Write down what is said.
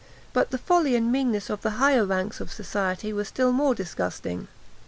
But the folly and meanness of the higher ranks of society were still more disgusting.